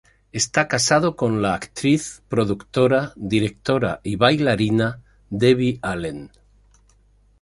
Está casado con la actriz, productora, directora y bailarina Debbie Allen.